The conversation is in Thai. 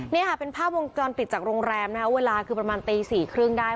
นี่ค่ะเป็นภาพวงจรปิดจากโรงแรมนะคะเวลาคือประมาณตี๔๓๐ได้